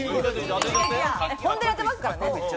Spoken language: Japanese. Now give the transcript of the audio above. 本当に当てますからね。